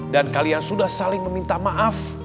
dan kalian sudah saling meminta maaf